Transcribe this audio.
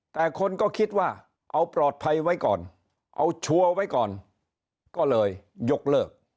แต่คนก็คิดว่าเอาปลอดภัยไว้ก่อนเอาชัวร์ไว้ก่อนก็เลยยกเลิก